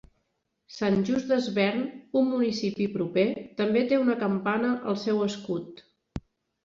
Sant Just Desvern, un municipi proper, també té una campana al seu escut.